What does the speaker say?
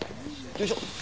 よいしょ。